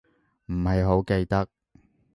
唔係好記得